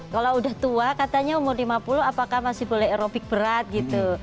kalau udah tua katanya umur lima puluh apakah masih boleh aerobik berat gitu